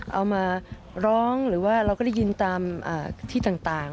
เอามาร้องหรือว่าเราก็ได้ยินตามที่ต่าง